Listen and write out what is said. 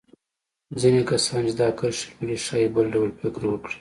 ځينې کسان چې دا کرښې لولي ښايي بل ډول فکر وکړي.